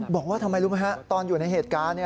บอกว่าทำไมรู้ไหมฮะตอนอยู่ในเหตุการณ์